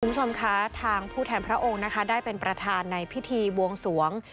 คุณผู้ชมคะทางผู้แทนพระองค์นะคะได้เป็นประธานในพิธีบวงสวง